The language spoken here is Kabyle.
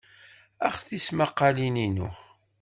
Ax tismaqalin-inu.